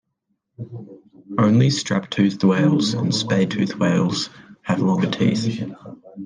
Only strap-toothed whales and spade-toothed whales have longer teeth.